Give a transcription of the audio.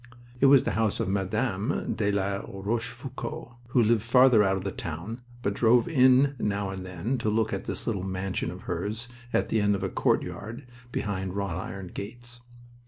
It was the house of Mme. de la Rochefoucauld, who lived farther out of the town, but drove in now and then to look at this little mansion of hers at the end of a courtyard behind wrought iron gates.